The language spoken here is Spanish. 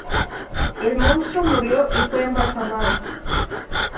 El monstruo murió y fue embalsamado.